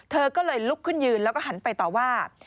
เธอก็เลยลุกขึ้นยืนแล้วก็หันไปต่อว่า